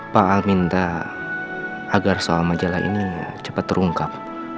pak al minta agar soal majalah ini cepat terungkap